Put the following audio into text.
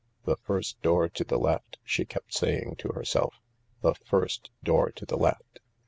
"The first door to the left," she kept saying to herself, "The first door to the left."